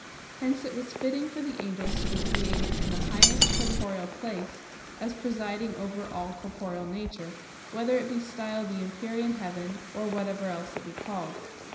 Hence it was fitting for the angels to be created in the highest corporeal place, as presiding over all corporeal nature; whether it be styled the empyrean heaven, or whatever else it be called.